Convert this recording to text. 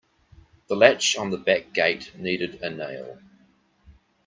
The latch on the back gate needed a nail.